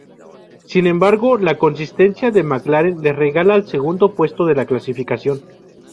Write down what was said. Sin embargo, la consistencia de McLaren les relega al segundo puesto de la clasificación.